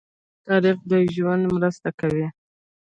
تاریخ د ژوند مرسته کوي.